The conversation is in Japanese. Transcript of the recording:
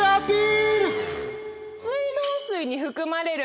水道水に含まれる。